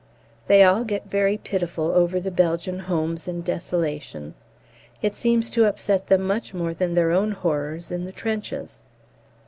They all get very pitiful over the Belgian homes and desolation; it seems to upset them much more than their own horrors in the trenches.